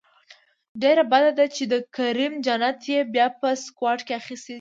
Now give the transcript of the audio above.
ډیره بده ده چې کریم جنت یې بیا په سکواډ کې اخیستی دی